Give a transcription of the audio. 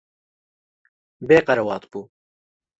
Bê qerewat bû.